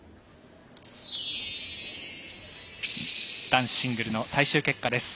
男子シングルの最終結果です。